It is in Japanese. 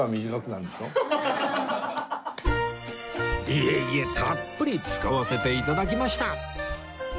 いえいえ！たっぷり使わせて頂きました